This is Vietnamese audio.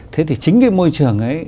thế thì chính cái môi trường ấy